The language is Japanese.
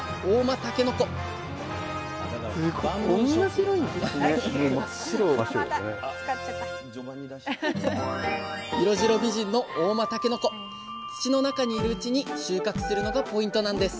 土の中にいるうちに収穫するのがポイントなんです。